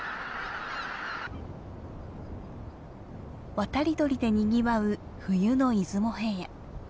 渡り鳥でにぎわう冬の出雲平野。